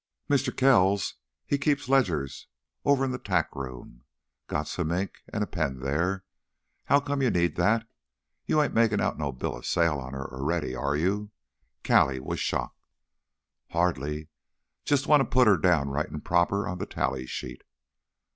"Mister Kells, he keeps ledgers over in th' tack room. Got some ink an' a pen there. How come you need that? You ain't makin' out no bill of sale on her already, are you?" Callie was shocked. "Hardly. Just want to put her down right and proper on the tally sheet."